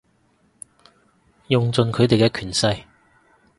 用盡佢哋嘅權勢